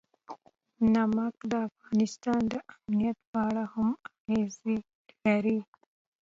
نمک د افغانستان د امنیت په اړه هم اغېز لري.